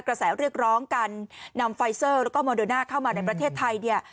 กระแสเรียกร้องการนำไฟเซอร์แล้วก็โมเดอร์น่าเข้ามาในประเทศไทยเนี่ย